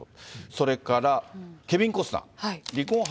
それからケビン・コスナー。